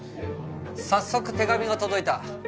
早速手紙が届いた